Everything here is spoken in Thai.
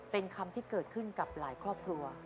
เป็นคำที่เกิดขึ้นกับหลายครอบครัว